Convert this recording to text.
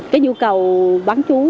cái nhu cầu bán trú